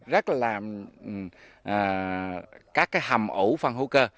rất là làm các hầm ổ phân hữu cơ